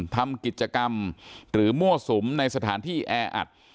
ทำกิจกรรมหรือมั่วสุมในสถานที่แออัด